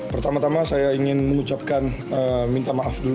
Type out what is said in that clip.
pertama tama saya ingin mengucapkan minta maaf dulu